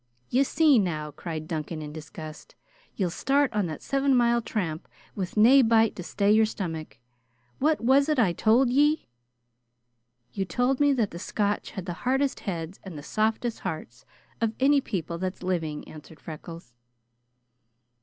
"Ye see now!" cried Duncan in disgust. "Ye'll start on that seven mile tramp with na bite to stay your stomach. What was it I told ye?" "You told me that the Scotch had the hardest heads and the softest hearts of any people that's living," answered Freckles.